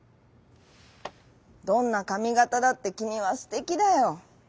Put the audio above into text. どんなかみがただってきみはすてきだよ。